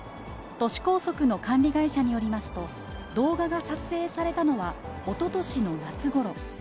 都市高速の管理会社によりますと、動画が撮影されたのは、おととしの夏ごろ。